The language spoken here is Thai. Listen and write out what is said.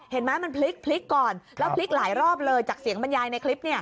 เห็นไหมมันพลิกก่อนแล้วพลิกหลายรอบเลยจากเสียงบรรยายในคลิป